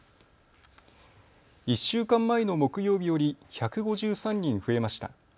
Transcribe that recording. １週間前の木曜日より１５３人増えました。